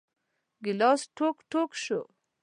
ګیلاس ټوک ، ټوک شو .